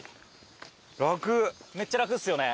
めっちゃ楽ですよね。